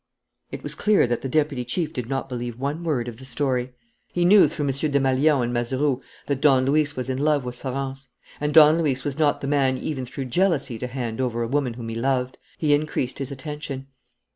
It was clear that the deputy chief did not believe one word of the story. He knew through M. Desmalions and Mazeroux that Don Luis was in love with Florence; and Don Luis was not the man even through jealousy to hand over a woman whom he loved. He increased his attention.